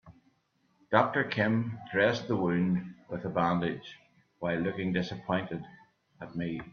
Doctor Kim dressed the wound with a bandage while looking disappointed at me.